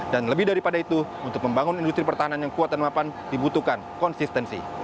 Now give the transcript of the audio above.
dan lebih daripada itu untuk membangun industri pertahanan yang kuat dan mapan dibutuhkan konsistensi